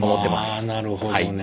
ああなるほどね。